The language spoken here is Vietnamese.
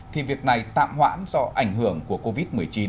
thì việc này tạm hoãn do ảnh hưởng của covid một mươi chín